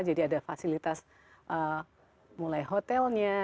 jadi ada fasilitas mulai hotelnya